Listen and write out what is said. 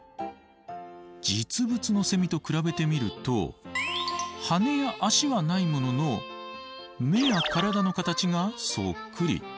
実物のセミと比べてみると羽や脚はないものの目や体の形がそっくり。